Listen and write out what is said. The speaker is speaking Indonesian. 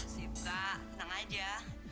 sip kak tenang aja